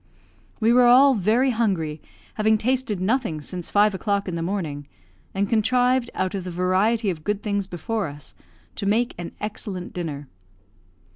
We were all very hungry, having tasted nothing since five o'clock in the morning, and contrived, out of the variety of good things before us, to make an excellent dinner.